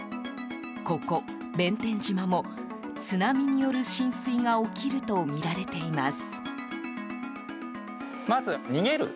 ここ弁天島も、津波による浸水が起きるとみられています。